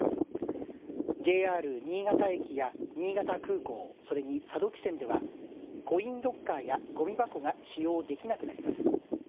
ＪＲ新潟駅や新潟空港それに佐渡汽船ではコインロッカーやごみ箱が使用できなくなります。